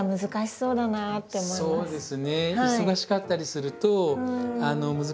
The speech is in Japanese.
そうなんですね。